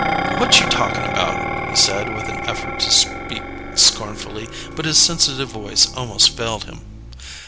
"What you talkin' about?" he said with an effort to speak scornfully; but his sensitive voice almost failed him.